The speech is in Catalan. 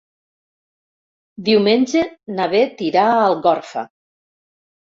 Diumenge na Bet irà a Algorfa.